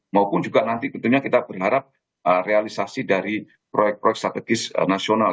maupun juga nanti tentunya kita berharap realisasi dari proyek proyek strategis nasional